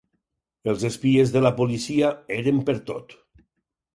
Els espies de la policia eren pertot